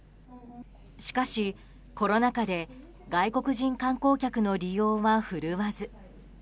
しかし、コロナ禍で外国人観光客の利用は振るわず。